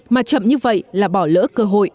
mà chậm như vậy là bỏ lỡ cơ hội